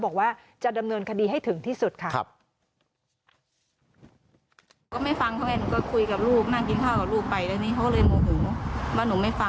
บอกว่าจะดำเนินคดีให้ถึงที่สุดค่ะ